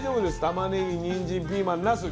たまねぎにんじんピーマンなす